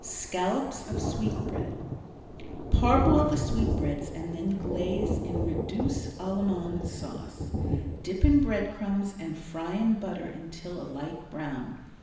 Scallops of Sweetbread Parboil the sweetbreads and then glaze in reduced Allemande sauce. Dip in bread crumbs and fry in butter until a light brown.